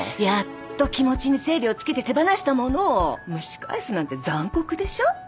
やっと気持ちに整理をつけて手放したものを蒸し返すなんて残酷でしょ。